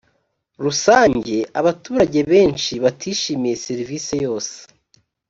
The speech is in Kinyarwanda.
rusange abaturage benshi batishimiye serivisi yose